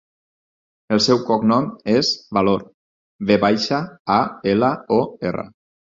El seu cognom és Valor: ve baixa, a, ela, o, erra.